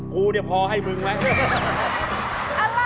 กูเดี๋ยวพอให้บึงมาก